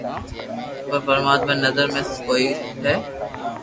پر پرماتما ري نظر ۾ سھي ڪوئي ھي